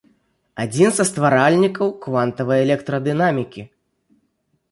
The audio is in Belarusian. Адзін са стваральнікаў квантавай электрадынамікі.